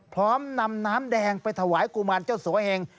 พร้อมนำน้ำแดงไปถวายกุมารเจ้าสัวเหง